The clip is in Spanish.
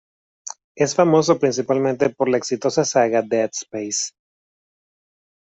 Es famoso principalmente por la exitosa saga "Dead Space".